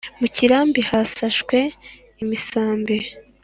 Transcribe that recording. mu kirambi hasaswe imisambi